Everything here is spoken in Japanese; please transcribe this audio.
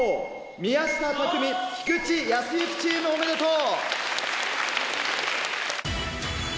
宮下拓己・菊地保喜チームおめでとう！